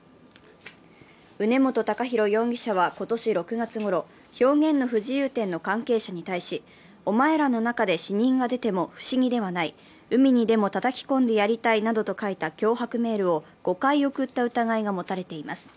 宇根元崇泰容疑者は今年６月ごろ表現の不自由展の関係者に対し、お前らの中で死人が出ても不思議ではない、海にでもたたき込んでやりたいなどと書いた脅迫メールを５回送った疑いが持たれています。